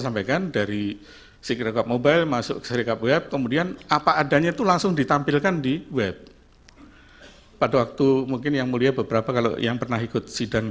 sampaikan dari sirecap mobile masuk ke sirecap web kemudian apa adanya itu langsung ditelanjuti jadi ini adalah hal yang sangat penting